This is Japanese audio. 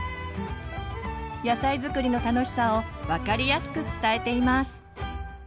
野菜づくりの楽しさを分かりやすく伝えています。